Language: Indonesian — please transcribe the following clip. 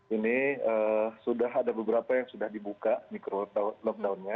ini sudah ada beberapa yang sudah dibuka mikro lockdownnya